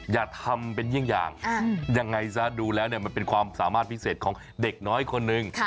อย่าทำเป็นเยี่ยงอย่างยังไงซะดูแล้วเนี่ยมันเป็นความสามารถพิเศษของเด็กน้อยคนนึง